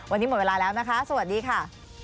วันนี้หมดเวลาแล้วนะคะสวัสดีค่ะ